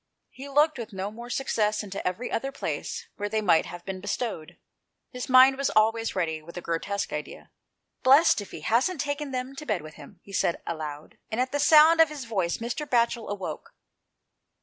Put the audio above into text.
He looked with no more success into every other place where they might havfr been bestowed. His mind was always ready with a grotesque idea, "Blest if he hasn't taken them to bed with him," he said aloud, and at the sound of his voice Mr. Batchel awoke.